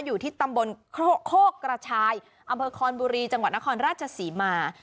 อยู่ที่ตำบลโคกกระชายอำเภอคอนบุรีจังหวัดนครราชศรีมา